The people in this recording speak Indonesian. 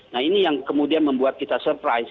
nah ini yang kemudian membuat kita surprise